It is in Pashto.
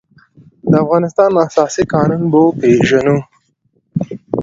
د افغانستان اساسي قانون به وپېژنو.